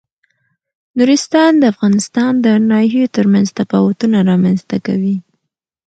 نورستان د افغانستان د ناحیو ترمنځ تفاوتونه رامنځ ته کوي.